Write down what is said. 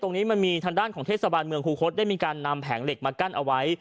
ตรงนี้มันมีทางด้านของเทศบาลเมืองคูคศได้มีการนำแผงเหล็กมากั้นเอาไว้